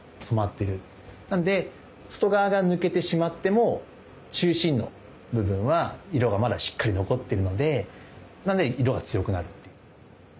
なんで外側が抜けてしまっても中心の部分は色がまだしっかり残ってるのでなんで色が強くなるっていう。